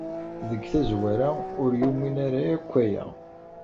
Deg tazwara, ur yumin ara akk aya.